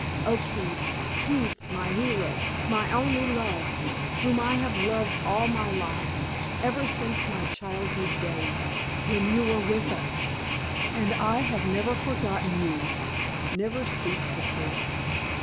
Oh, Keith! Keith! my hero, my only love! whom I have loved all my life, ever since my childhood's days, when you were with us; and I have never forgotten you never ceased to care.